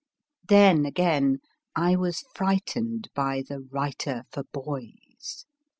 Then, again, I was frightened by the Writer for Boys.